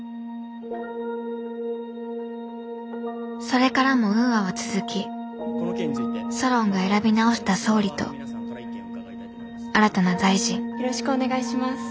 それからもウーアは続きソロンが選び直した総理と新たな大臣よろしくお願いします。